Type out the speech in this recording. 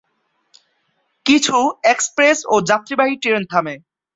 কিছু এক্সপ্রেস ও যাত্রীবাহী ট্রেন থামে।